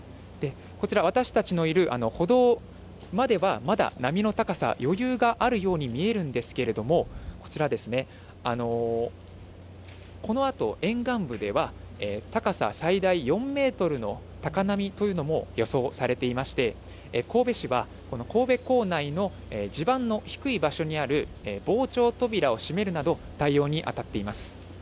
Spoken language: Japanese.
こちら、私たちのいる歩道まではまだ波の高さ、余裕があるように見えるんですけれども、こちら、このあと沿岸部では高さ最大４メートルの高波というのも予想されていまして、神戸市は、神戸港内の地盤の低い場所にある防潮扉を閉めるなど、対応に当たっています。